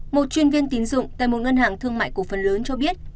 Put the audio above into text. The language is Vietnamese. một chuyên viên tín dụng tại một ngân hàng thương mại cổ phần lớn cho biết